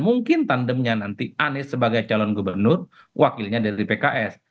mungkin tandemnya nanti anies sebagai calon gubernur wakilnya dari pks